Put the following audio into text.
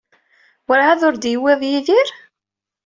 Werɛad ur d-yewwiḍ Yidir?